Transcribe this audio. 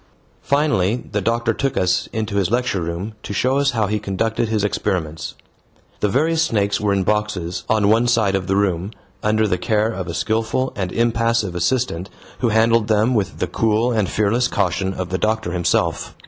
Finally, the doctor took us into his lecture room to show us how he conducted his experiments. The various snakes were in boxes, on one side of the room, under the care of a skilful and impassive assistant, who handled them with the cool and fearless caution of the doctor himself.